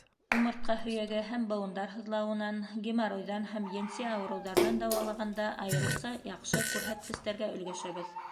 — Умыртҡа һөйәге һәм быуындар һыҙлауынан, геморройҙан һәм енси ауырыуҙарҙан дауалағанда айырыуса яҡшы күрһәткестәргә өлгәшәбеҙ.